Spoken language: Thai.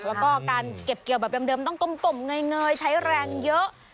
แล้วก็การเก็บเกี่ยวแบบเดิมต้องกลมเงยใช้แรงเยอะ